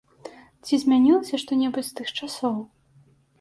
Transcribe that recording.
Ці змянілася што-небудзь з тых часоў?